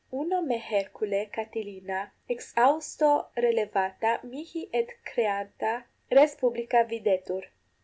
Uno me hercule Catilina exhausto relevata mihi et recreata res publica videtur.